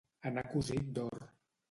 Anar cosit d'or.